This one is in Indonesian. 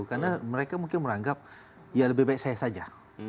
karena mereka mungkin meranggap ya lebih baik saya saja